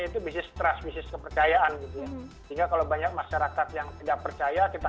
itu bisnis transmisis kepercayaan gitu ya sehingga kalau banyak masyarakat yang tidak percaya kita